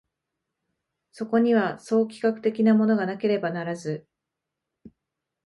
そこには総企画的なものがなければならず、